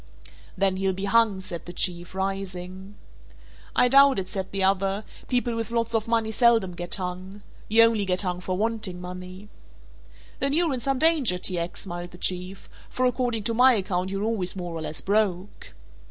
"Then he'll be hung," said the Chief, rising. "I doubt it," said the other, "people with lots of money seldom get hung. You only get hung for wanting money." "Then you're in some danger, T. X.," smiled the Chief, "for according to my account you're always more or less broke."